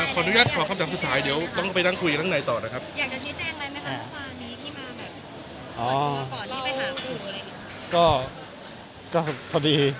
ขออนุญาตขอคำถามสุดท้ายเดี๋ยว